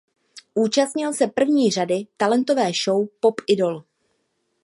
Účastnil se první řady talentové show "Pop Idol".